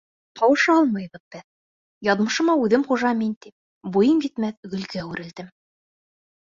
Ҡауыша алмайбыҙ беҙ, Яҙмышыма үҙем хужа мин тип, Буйым етмәҫ гөлгә үрелдем...